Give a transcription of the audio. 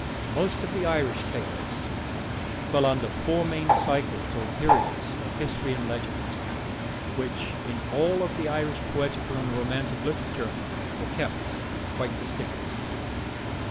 Most of the Irish tales fall under four main cycles or periods of history and legend, which, in all the Irish poetical and romantic literature, were kept quite distinct.